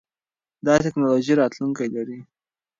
دا ټکنالوژي راتلونکی لري.